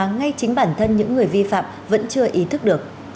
ngay chính bản thân những người vi phạm vẫn chưa ý thức được